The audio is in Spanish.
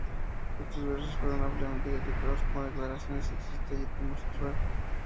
Estos versos fueron ampliamente criticados como declaraciones sexista y anti-homosexual.